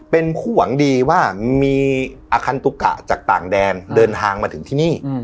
เป็นผู้หวังดีว่ามีอาคันตุกะจากต่างแดนเดินทางมาถึงที่นี่